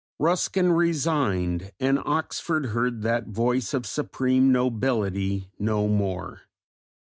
Ruskin resigned and Oxford heard that voice of supreme nobility no more.